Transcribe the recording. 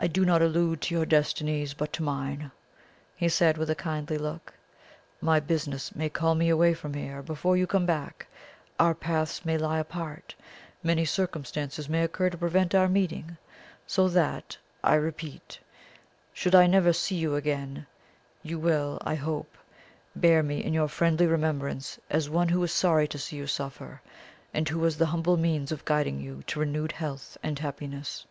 "I do not allude to your destinies, but to mine," he said, with a kindly look. "My business may call me away from here before you come back our paths may lie apart many circumstances may occur to prevent our meeting so that, I repeat, should I never see you again, you will, I hope, bear me in your friendly remembrance as one who was sorry to see you suffer, and who was the humble means of guiding you to renewed health and happiness."